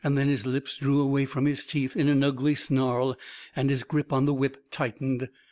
Then his lips drew away from his teeth in an ugly snarl, and his grip on the whip tightened.